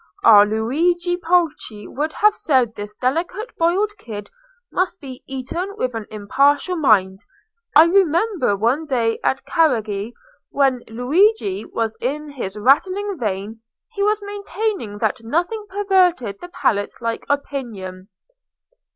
"Our Luigi Pulci would have said this delicate boiled kid must be eaten with an impartial mind. I remember one day at Careggi, when Luigi was in his rattling vein, he was maintaining that nothing perverted the palate like opinion.